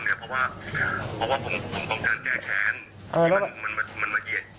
บอกว่าผมให้เงินมัน